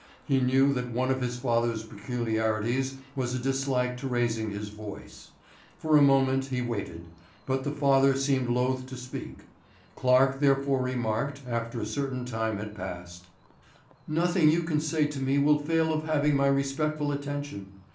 He knew that one of his father's peculiarities was a dislike to raising his voice. For a moment he waited, but the father seemed loath to speak. Clarke therefore remarked, after a certain time had passed: "Nothing you can say to me will fail of having my respectful attention.